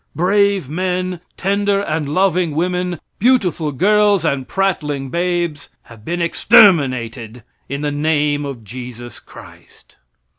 Brave men, tender and loving women, beautiful girls and prattling babes have been exterminated in the name of Jesus Christ.